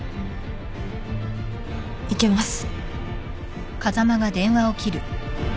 いけます。